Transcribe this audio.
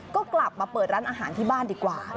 ก็กลับมาเปิดร้านอาหารที่บ้านดีกว่า